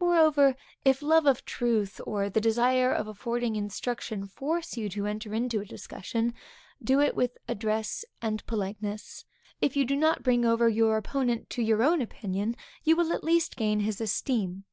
Moreover, if love of truth or the desire of affording instruction force you to enter into a discussion, do it with address and politeness. If you do not bring over your opponent to your own opinion, you will at least gain his esteem.